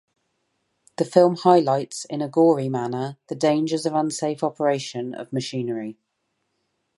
The film highlights, in a gory manner, the dangers of unsafe operation of machinery.